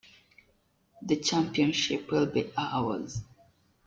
The championship will be ours!